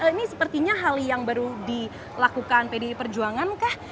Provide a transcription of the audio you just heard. ini sepertinya hal yang baru dilakukan pdi perjuangan kah